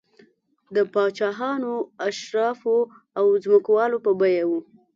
د پاچاهانو، اشرافو او ځمکوالو په بیه و